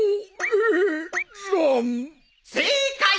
正解！